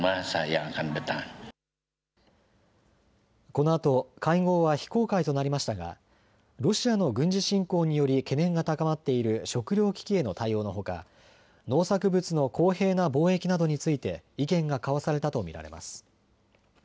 このあと会合は非公開となりましたがロシアの軍事侵攻により懸念が高まっている食料危機への対応のほか農作物の公平な貿易などについて意見が交わされたと見られます。